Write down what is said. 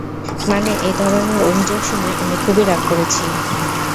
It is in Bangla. মানে, এই ধরণের অভিযোগ শুনে আমি খুবই রাগ করেছি!